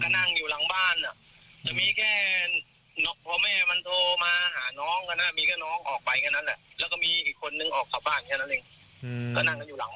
แล้วนั่งกันอยู่หลังบ้านตก๒๐คน